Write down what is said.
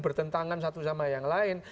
bertentangan satu sama yang lain